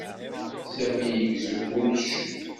Sami igezzu kullec.